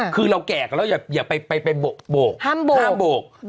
คือเราแกะแล้วอย่าไปโบกห้ามโบก